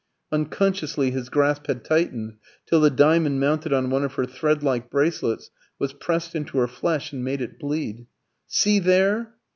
Unconsciously his grasp had tightened till the diamond mounted on one of her thread like bracelets was pressed into her flesh and made it bleed. "See there!"